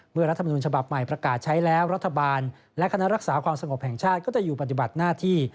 รัฐมนุนฉบับใหม่ประกาศใช้แล้วรัฐบาลและคณะรักษาความสงบแห่งชาติก็จะอยู่ปฏิบัติหน้าที่